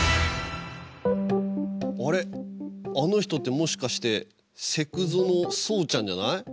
あの人ってもしかしてセクゾの聡ちゃんじゃない？